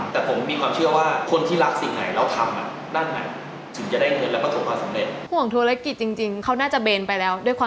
แต่ผมมีความเชื่อว่าคนที่รักสิ่งไหนเราทำอ่ะนั่นแหละ